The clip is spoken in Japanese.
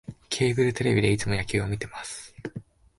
ケーブルテレビでいつも野球を観てます